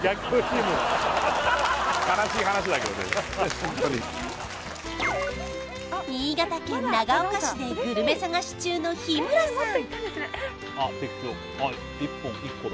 ホントに新潟県長岡市でグルメ探し中の日村さん